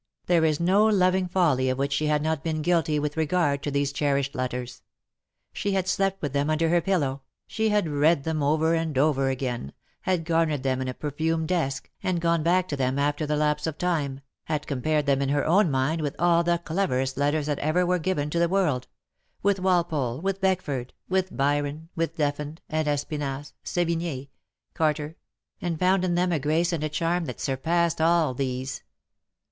There is no loving folly of which she had not been guilty with regard to these cherished letters : she had slept with them under her pillow^ she had read them over and over again, had garnered them in a perfumed desk, and gone back to them after the lapse of time, had compared them in her own mind with all the cleverest letters that ever were given to the world — with Walpole, with Beckford, with Byron, with Deffand, and Espinasse, Sevigne, Carter — and found in them a grace and a charm that surpassed all these.